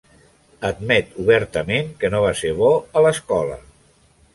Admet obertament que no va ser bo a l'escola.